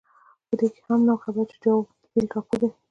په دې هم نه دی خبر چې جاوا بېل ټاپو دی.